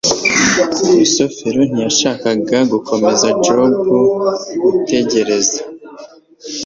rusufero ntiyashakaga gukomeza jabo gutegereza